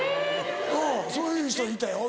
うんそういう人いたよ